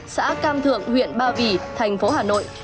xã cam thượng huyện ba vì thành phố hà nội